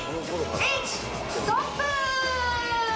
ストップ！